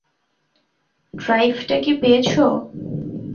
ড্রাইভটা কি পেয়েছো?